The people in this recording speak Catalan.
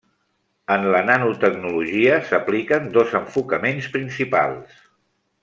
En la nanotecnologia s'apliquen dos enfocaments principals.